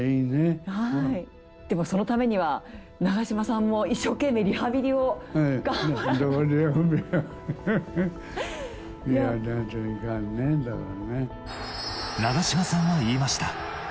でもそのためには、長嶋さんも一生懸命リハビリを長嶋さんは言いました。